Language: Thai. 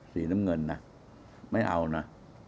สีน้ำเงินนะไม่เอานะ